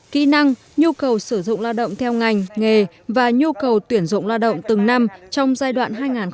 kỹ năng nhu cầu sử dụng lao động theo ngành nghề và nhu cầu tuyển dụng lao động từng năm trong giai đoạn hai nghìn hai mươi